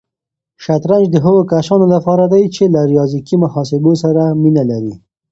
شطرنج د هغو کسانو لپاره دی چې له ریاضیکي محاسبو سره مینه لري.